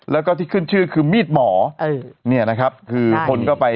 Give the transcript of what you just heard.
แล้วก็ที่ขึ้นชื่อคือมีดหมอเนี่ยนะครับคือคนก็ไป